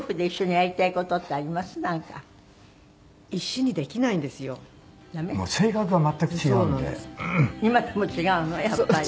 やっぱり。